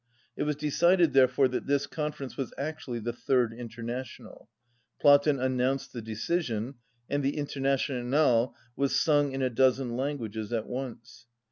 It was decided therefore that this confer ence was actually the Third International. Plat ten announced the decision, and the 'Tnterna tional" was sung in a dozen languages at once.